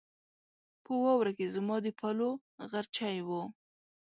په واوره کې زما د پلوو غرچی و